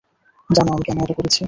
জানো, আমি কেন এটা করেছি?